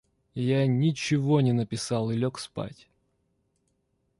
Я ничего не написал и лег спать.